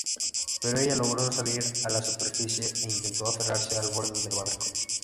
Pero ella logró salir a la superficie, e intentó aferrarse al borde del barco.